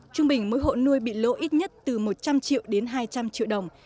trung bình mỗi hộ nuôi bị lỗ ít nhất từ một trăm linh triệu đến hai trăm linh triệu đồng